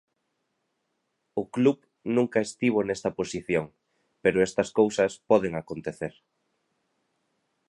O club nunca estivo nesta posición, pero estas cousas poden acontecer.